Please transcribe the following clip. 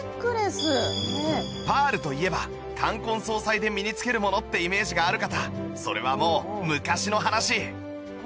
パールといえば冠婚葬祭で身に着けるものってイメージがある方それはもう昔の話